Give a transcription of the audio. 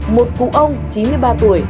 một cụ ông chín mươi ba tuổi